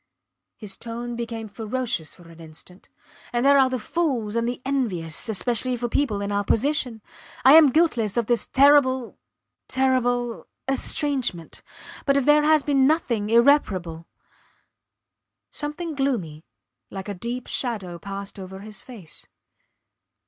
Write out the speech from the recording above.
... His tone became ferocious for an instant ... And there are the fools and the envious especially for people in our position. I am guiltless of this terrible terrible ... estrangement; but if there has been nothing irreparable. ... Something gloomy, like a deep shadow passed over his face.